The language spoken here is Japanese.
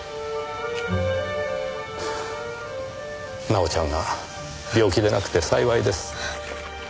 奈緒ちゃんが病気でなくて幸いです。